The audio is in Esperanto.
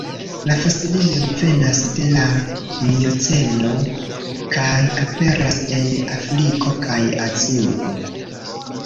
La fosilioj venas de la mioceno kaj aperas en Afriko kaj Azio.